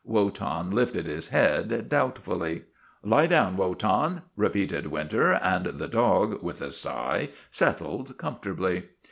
Wotan lifted his head doubtfully. " Lie down, Wotan !' repeated Winter, and the dog, with a sigh, settled comfortably.